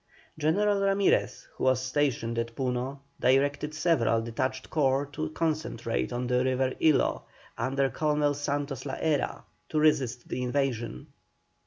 General Ramirez, who was stationed at Puno, directed several detached corps to concentrate on the river Ilo, under Colonel Santos la Hera, to resist the invasion.